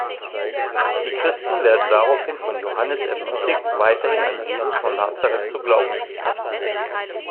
Die Christen werden daraufhin von Johannes ermutigt, weiterhin an Jesus von Nazaret zu glauben.